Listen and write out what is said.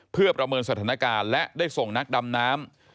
เพื่อประเมินสถานการณ์และได้ส่งนักดำน้ำ